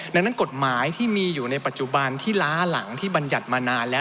ดังนั้นกฎหมายที่มีอยู่ในปัจจุบันที่ล้าหลังที่บรรยัติมานานแล้ว